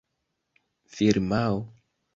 firmao